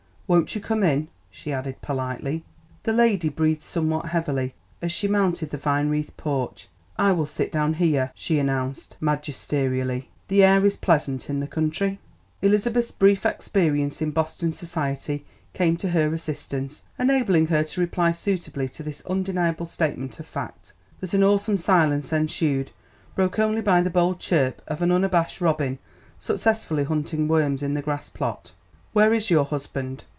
"Won't you come in?" she added politely. The lady breathed somewhat heavily as she mounted the vine wreathed porch. "I will sit down here," she announced magisterially; "the air is pleasant in the country." Elizabeth's brief experience in Boston society came to her assistance, enabling her to reply suitably to this undeniable statement of fact. Then an awesome silence ensued, broken only by the bold chirp of an unabashed robin successfully hunting worms in the grass plot. "Where is your husband?"